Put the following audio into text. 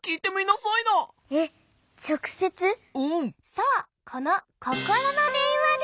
そうこのココロのでんわで！